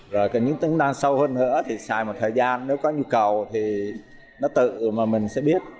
rồi những tính năng sâu hơn nữa thì xài một thời gian nếu có nhu cầu thì nó tự mà mình sẽ biết